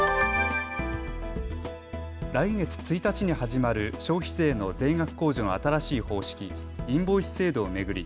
来月１日に始まる消費税の税額控除の新しい方式、インボイス制度を巡り